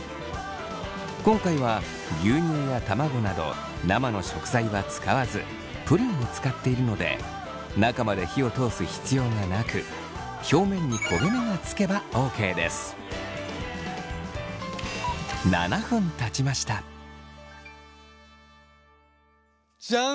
今回は牛乳や卵など生の食材は使わずプリンを使っているので中まで火を通す必要がなく表面に焦げ目がつけばＯＫです。じゃん！